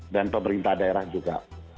dan pemerintah daerah juga